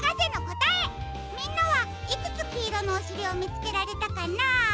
みんなはいくつきいろのおしりをみつけられたかな？